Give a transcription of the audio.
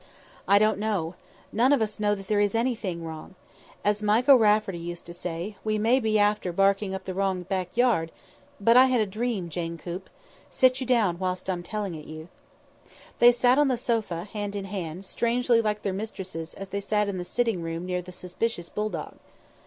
"I don't know; none of us know that anything is wrong. As Mike O'Rafferty used to say. 'We may be afther barking in the wrong back yard,' but I had a dream, Jane Coop. Sit you down whilst I'm telling it you." They sat on the sofa, hand in hand, strangely like their mistresses as they sat in the sitting room near the suspicious bulldog.